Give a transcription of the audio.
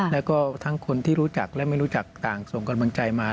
แล้วก็ทั้งคนที่รู้จักและไม่รู้จักต่างส่งกำลังใจมา